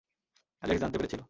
Alex জানতে পেরেছিল।